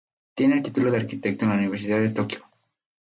Tiene el título de arquitecto por la Universidad de Tokyo.